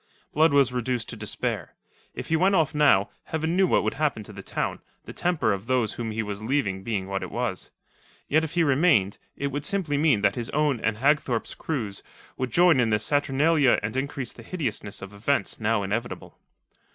Blood was reduced to despair. If he went off now, Heaven knew what would happen to the town, the temper of those whom he was leaving being what it was. Yet if he remained, it would simply mean that his own and Hagthorpe's crews would join in the saturnalia and increase the hideousness of events now inevitable.